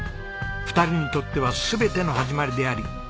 ２人にとっては全ての始まりであり教科書。